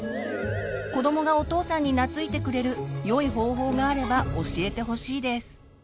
子どもがお父さんになついてくれるよい方法があれば教えてほしいです。